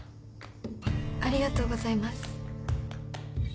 ありがとうございます。